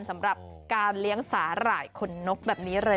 สำหรับการเลี้ยงสาหร่ายคนนกแบบนี้เลย